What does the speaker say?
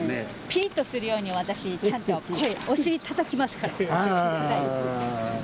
ピリッとするように私ちゃんとお尻たたきますから。